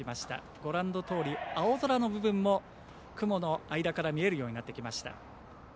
ご覧のとおり青空の部分も雲の間から見えるようになってきました。